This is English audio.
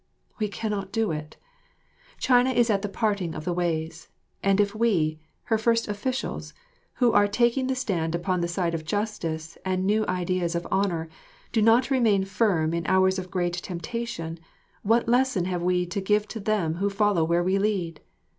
We cannot do it. China is at the parting of the ways; and if we, her first officials, who are taking the stand upon the side of justice and new ideas of honour, do not remain firm in hours of great temptation, what lesson have we to give to them who follow where we lead?